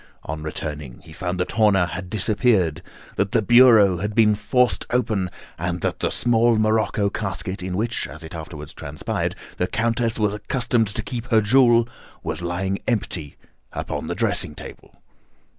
On returning, he found that Horner had disappeared, that the bureau had been forced open, and that the small morocco casket in which, as it afterwards transpired, the Countess was accustomed to keep her jewel, was lying empty upon the dressing table.